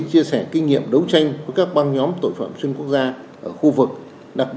chia sẻ kinh nghiệm đấu tranh với các bang nhóm tội phạm xuyên quốc gia ở khu vực